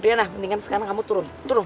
adriana mendingan sekarang kamu turun